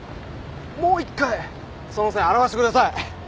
もう１回その線洗わせてください。